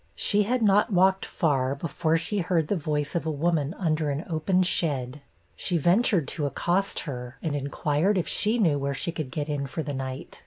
She had not walked far, before she heard the voice of a woman under an open shed; she ventured to accost her, and inquired if she knew where she could get in for the night.